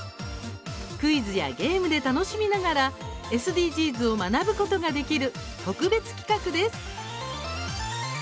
クイズやゲームで楽しみながらＳＤＧｓを学ぶことができる特別企画です。